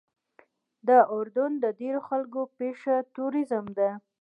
د اردن د ډېرو خلکو پیشه ټوریزم ده.